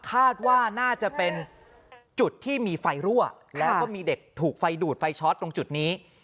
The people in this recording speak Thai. คาดว่าน่าจะเป็นจุดที่มีไฟรั่วแล้วก็มีเด็กถูกไฟดูดไฟช็อตตรงจุดนี้